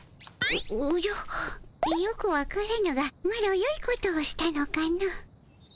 おじゃよくわからぬがマロよいことをしたのかの？